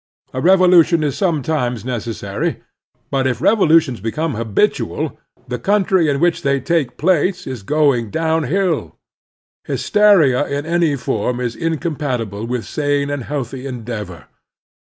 A revolution is sometimes necessary, but if revolutions become habitual the country in which they take place is going down hill. Hysteria in any form is incom patible with sane and healthy endeavor.